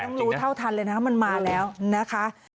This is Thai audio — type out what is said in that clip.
ต้องรู้เท่าทันเลยนะมันมาแล้วนะคะ